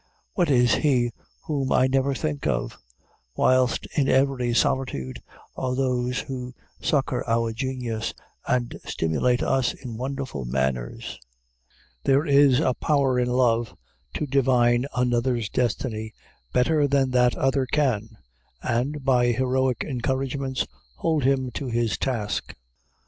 What is he whom I never think of? whilst in every solitude are those who succor our genius, and stimulate us in wonderful manners. There is a power in love to divine another's destiny better than that other can, and, by heroic encouragements, hold him to his task.